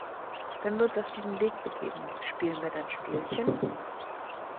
Wenn wir uns auf diesen Weg begeben, spielen wir dann Spielchen?